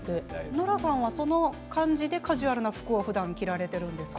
ノラさんはその感じでカジュアルな服をふだん着られているんですか？